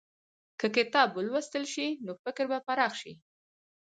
که کتاب ولوستل شي، نو فکر به پراخ شي.